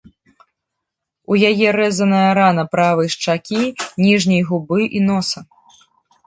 У яе рэзаная рана правай шчакі, ніжняй губы і носа.